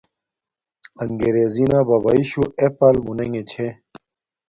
اَݣگرݵزݵ نݳ بَبݳئی شُݸ Apple مُنݵݣݺ چھݺ.